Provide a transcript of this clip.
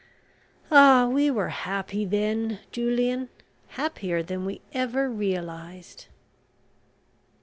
Ah, we were happy then, Julian, happier than we ever realised."